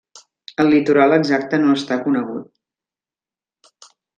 El litoral exacte no està conegut.